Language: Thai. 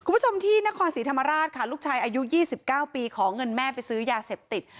คุณผู้ชมที่นครศรีธรรมราชค่ะลูกชายอายุ๒๙ปีขอเงินแม่ไปซื้อยาเสพติด